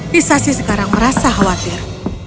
hisashi sekarang merasa khawatir